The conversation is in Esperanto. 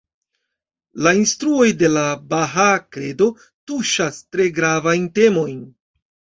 La instruoj de la Bahaa Kredo tuŝas tre gravajn temojn.